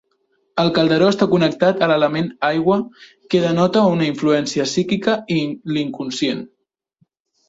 El calderó està connectat a l'element Aigua que denota una influència psíquica i l'inconscient.